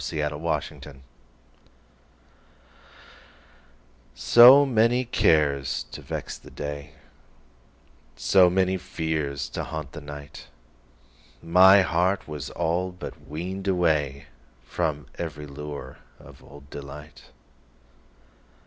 Summer Magic SO many cares to vex the day, So many fears to haunt the night, My heart was all but weaned awayFrom every lure of old delight.